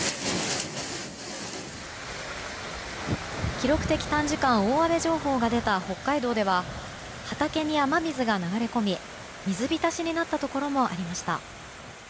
記録的短時間大雨情報が出た北海道では畑に雨水が流れ込み水浸しになったところもありました。